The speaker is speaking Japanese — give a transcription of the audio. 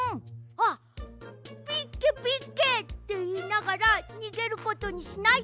あっ「ピッケピッケ」っていいながらにげることにしない？